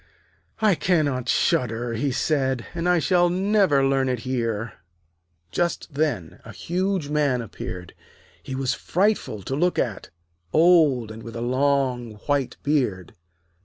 'I cannot shudder,' he said; 'and I shall never learn it here.' Just then a huge Man appeared. He was frightful to look at, old, and with a long white beard.